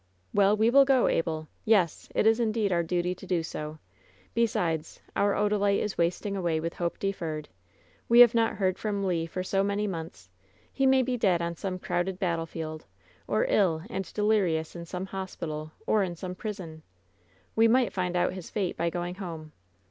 ^^Well, we will go, Abel. Yes; it is indeed our duty to do so. Besides, our Odalite is wasting away with hope deferred! We have not heard from Le for so many months! He may be dead on some crowded battlefield, or ill and delirious in some hospital, or in some prison! We might find out his fate by going home.